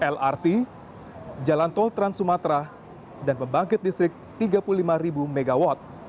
lrt jalan tol trans sumatera dan pembangkit listrik tiga puluh lima mw